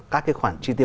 các cái khoản tri tiêu